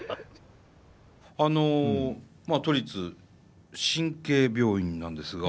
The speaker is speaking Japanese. あのまあ都立神経病院なんですがはい。